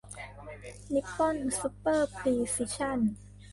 นิปปอนซุปเปอร์พรีซิชั่น